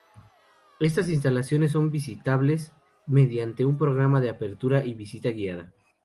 Estas instalaciones son visitables mediante un programa de apertura y visita guiada.